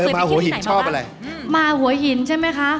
มาหัวหินใช่ไหมคะ